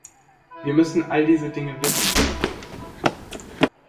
Wir müssen all diese Dinge wissen.